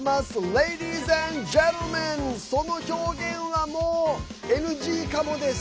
レディース＆ジェントルマンその表現は、もうＮＧかもです。